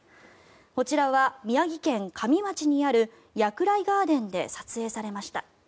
こちらは宮城県加美町にあるやくらいガーデンで撮影されました。